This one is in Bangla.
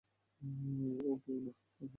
ওহ, কেউ না, হাহ?